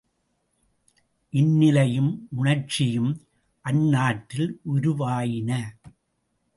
இந்நிலையும் உணர்ச்சியும் அந்நாட்டில் உருவாயின.